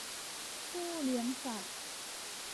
ผู้เลี้ยงสัตว์